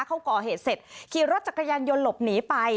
เขาก่อเหตุเสร็จขี่รถจักรยานยนต์หลบหนีไป